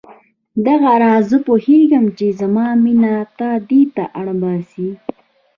دغه راز زه پوهېږم چې زما مینه تا دې ته اړ باسي.